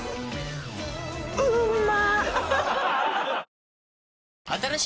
うんま！